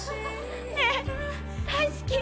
ねえ大好き。